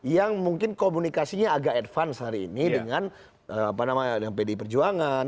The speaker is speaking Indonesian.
yang mungkin komunikasinya agak advance hari ini dengan pdi perjuangan